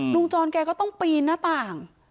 จรแกก็ต้องปีนหน้าต่าง